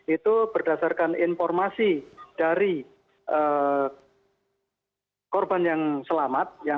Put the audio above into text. itu berdasarkan informasi dari korban yang selamat